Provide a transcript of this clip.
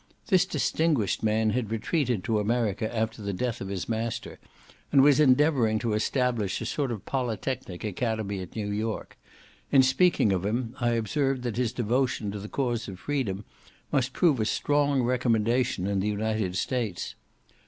This distinguished man had retreated to America after the death of his master, and was endeavouring to establish a sort of Polytechnic academy at New York: in speaking of him, I observed, that his devotion to the cause of freedom must prove a strong recommendation in the United States.